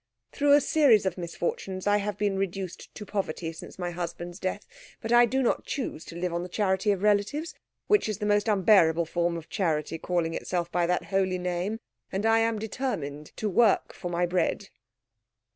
Through a series of misfortunes I have been reduced to poverty since my husband's death. But I do not choose to live on the charity of relatives, which is the most unbearable form of charity calling itself by that holy name, and I am determined to work for my bread."